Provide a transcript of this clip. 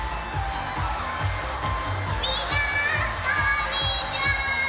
みんなこんにちは！